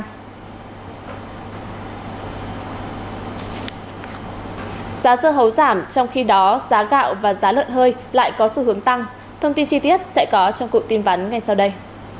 giá dưa hấu giảm trong khi đó giá gạo và giá lợn hơi lại có xu hướng tăng thông tin chi tiết sẽ có trong cụm tin vắn ngay sau đây